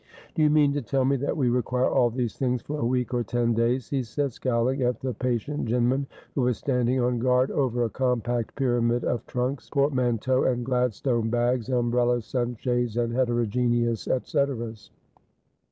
' Do you mean to tell me that we require all these things for a week or ten days ?' he said, scowling at the patient Jinman, who was standing on guard over a compact pyramid of trunks, portmanteaux, and Gladstone bags, umbrellas, sunshades, and heterogeneous etceteras.